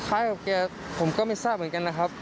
คล้ายกับแกผมก็ไม่ทราบเหมือนกันนะครับ